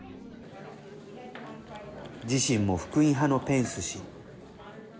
自身も福音派のペンス氏。